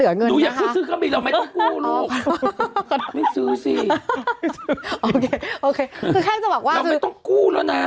เราไม่ต้องกู้แล้วนะ